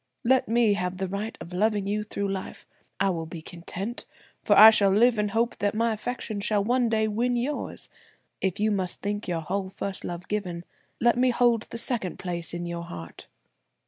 Let me have the right of loving you through life. I will be content; for I shall live in hope that my affection shall one day win yours. If you must think your whole first love given, let me hold the second place in your heart."